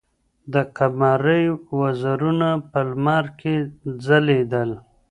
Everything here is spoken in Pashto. د قمرۍ وزرونه په لمر کې ځلېدل.